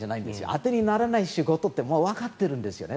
当てにならない仕事ってわかっているんですね。